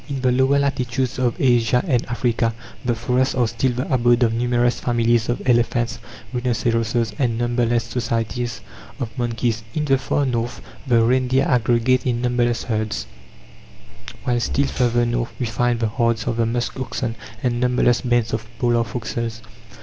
In the lower latitudes of Asia and Africa the forests are still the abode of numerous families of elephants, rhinoceroses, and numberless societies of monkeys. In the far north the reindeer aggregate in numberless herds; while still further north we find the herds of the musk oxen and numberless bands of polar foxes.